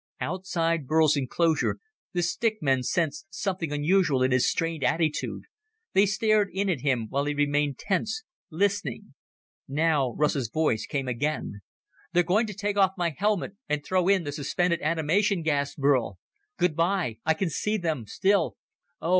Outside Burl's enclosure the stick men sensed something unusual in his strained attitude. They stared in at him, while he remained tense, listening. Now Russ's voice came again. "They're going to take off my helmet and throw in the suspended animation gas, Burl. Good by. I can see them still. Oh